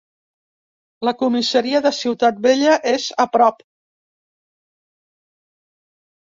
La comissaria de Ciutat Vella és a prop.